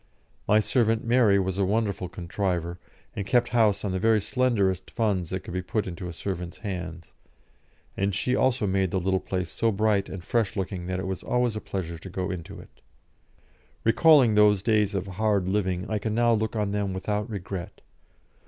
My servant Mary was a wonderful contriver, and kept house on the very slenderest funds that could be put into a servant's hands, and she also made the little place so bright and fresh looking that it was always a pleasure to go into it. Recalling those days of "hard living," I can now look on them without regret.